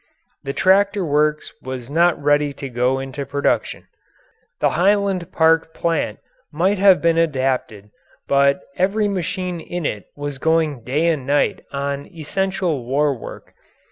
The tractor works was not ready to go into production. The Highland Park plant might have been adapted, but every machine in it was going day and night on essential war work.